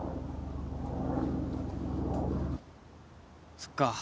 そっか。